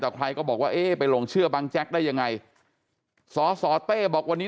ต่อใครก็บอกว่าไปลงเชื่อบังแจ็คได้ยังไงทร์สตบอกวันนี้